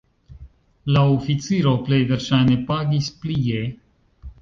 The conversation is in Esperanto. La oficiro plej verŝajne pagis plie.